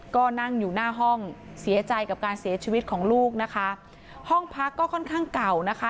ก็นั่งอยู่หน้าห้องเสียใจกับการเสียชีวิตของลูกนะคะห้องพักก็ค่อนข้างเก่านะคะ